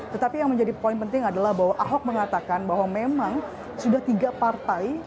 tetapi yang menjadi poin penting adalah bahwa ahok mengatakan bahwa memang sudah tiga partai